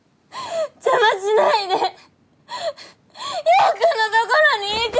邪魔しないで陽君のところに行く！